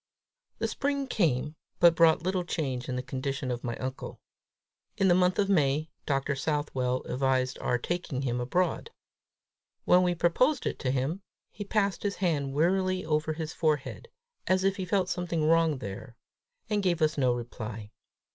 The spring came, but brought little change in the condition of my uncle. In the month of May, Dr. Southwell advised our taking him abroad. When we proposed it to him, he passed his hand wearily over his forehead, as if he felt something wrong there, and gave us no reply.